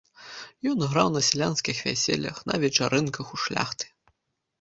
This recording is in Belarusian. Ён граў на сялянскіх вяселлях, на вечарынках у шляхты.